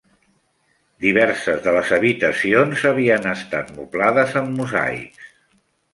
Diverses de les habitacions havien estat moblades amb mosaics.